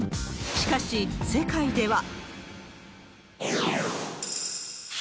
しかし、世界では。